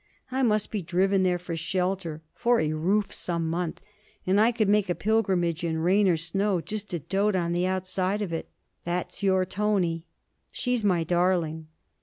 I must be driven there for shelter, for a roof, some month. And I could make a pilgrimage in rain or snow just to doat on the outside of it. That's your Tony.' 'She's my darling.'